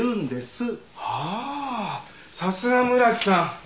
さすが村木さん。